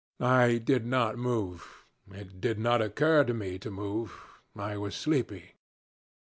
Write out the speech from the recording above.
I did not move; it did not occur to me to move: I was sleepy.